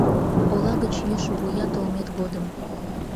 Ола гыч йӱшӧ вуя толмет годым.